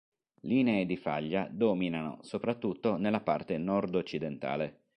Linee di faglia dominano soprattutto nella parte nord-occidentale.